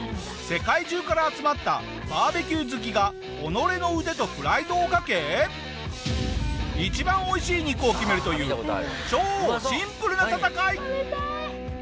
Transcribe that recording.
世界中から集まったバーベキュー好きが己の腕とプライドを懸け一番美味しい肉を決めるという超シンプルな戦い！